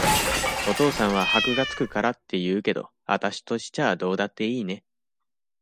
お父さんは箔が付くからって言うけど、あたしとしちゃどうだっていいね。